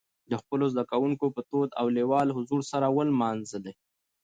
د خپلو زدهکوونکو په تود او لېوال حضور سره ونمانځلي.